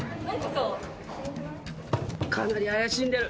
かなり怪しんでる。